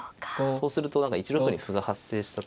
そうすると何か１六に歩が発生したという。